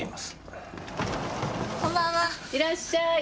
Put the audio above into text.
あっいらっしゃい。